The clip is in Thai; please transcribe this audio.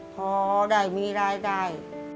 พอได้มีรายได้